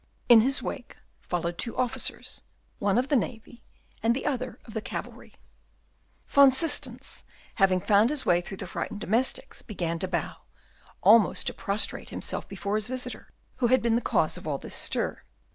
In his wake followed two officers, one of the navy, and the other of the cavalry. Van Systens, having found his way through the frightened domestics, began to bow, almost to prostrate himself before his visitor, who had been the cause of all this stir.